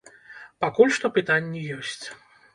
Пакуль што пытанні ёсць.